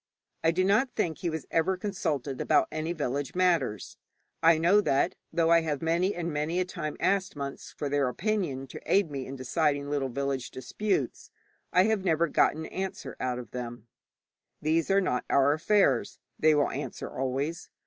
I do not think he was ever consulted about any village matters. I know that, though I have many and many a time asked monks for their opinion to aid me in deciding little village disputes, I have never got an answer out of them. 'These are not our affairs,' they will answer always.